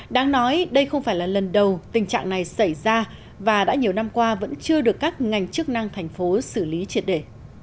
đáng nói đây không phải là lần đầu tình trạng này xảy ra và đã nhiều năm qua vẫn chưa được các ngành chức năng thành phố xử lý triệt để